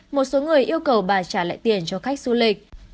một số người yêu cầu bà trả lại tiền cho khách du lịch